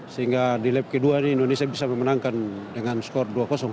sehingga di lap kedua ini indonesia bisa memenangkan dengan skor dua